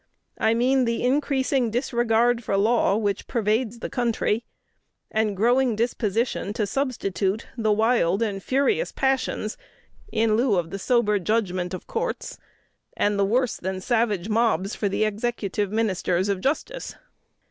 I mean the increasing disregard for law which pervades the country, the growing disposition to substitute the wild and furious passions in lieu of the sober judgment of courts, and the worse than savage mobs for the executive ministers of justice.